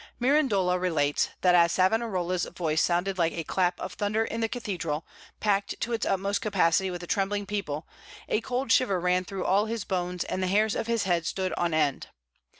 Mirandola relates that as Savonarola's voice sounded like a clap of thunder in the cathedral, packed to its utmost capacity with the trembling people, a cold shiver ran through all his bones and the hairs of his head stood on end.